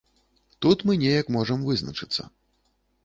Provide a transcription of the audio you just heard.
Тут мы неяк можам вызначыцца.